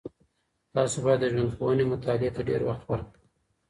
تاسو باید د ژوندپوهنې مطالعې ته ډېر وخت ورکړئ.